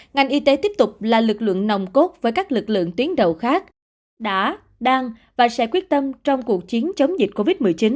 ngành y tế tiếp tục là lực lượng nồng cốt với các lực lượng tuyến đầu khác đã đang và sẽ quyết tâm trong cuộc chiến chống dịch covid một mươi chín